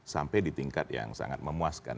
sampai di tingkat yang sangat memuaskan